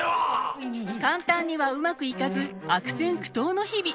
簡単にはうまくいかず悪戦苦闘の日々。